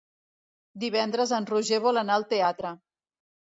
Divendres en Roger vol anar al teatre.